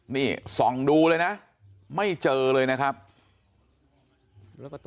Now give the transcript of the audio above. นี่ส่องดูเลยนะไม่เจอเลยนะครับ